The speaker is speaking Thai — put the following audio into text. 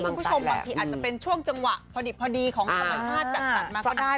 คุณผู้ชมบางทีอาจจะเป็นช่วงจังหวะพอดิบพอดีของธรรมชาติจัดสรรมาก็ได้